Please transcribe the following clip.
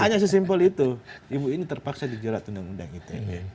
hanya sesimpel itu ibu ini terpaksa dijerat undang undang ite